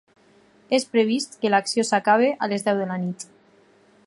És previst que l’acció s’acabi a les deu de la nit.